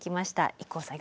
ＩＫＫＯさん